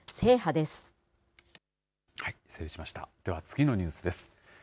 では次のニュースです。